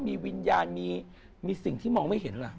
มีวิญญาณมีสิ่งที่มองไม่เห็นล่ะ